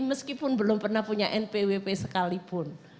meskipun belum pernah punya npwp sekalipun